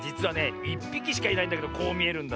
１ぴきしかいないんだけどこうみえるんだぜえ。